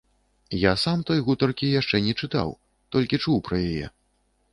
Я сам той гутаркі яшчэ не чытаў, толькі чуў пра яе.